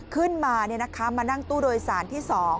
ขึ้นมามานั่งตู้โดยสารที่๒